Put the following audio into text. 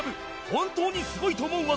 本当にすごいと思う技